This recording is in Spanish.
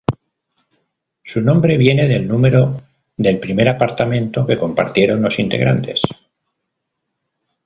Su nombre viene del número del primer apartamento que compartieron los integrantes.